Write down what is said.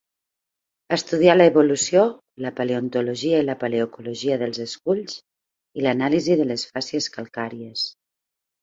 Estudià l'evolució, la paleontologia i la paleoecologia dels esculls i l'anàlisi de les fàcies calcàries.